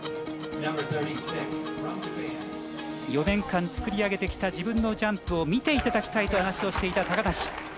４年間作り上げてきた自分のジャンプを見ていただきたいと話をしていた、高梨。